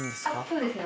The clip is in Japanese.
そうですね